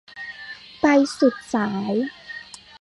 ไปสุดสาย